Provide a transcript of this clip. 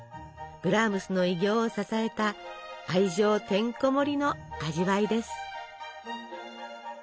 ブラームスの偉業を支えた愛情てんこ盛りの味わいです。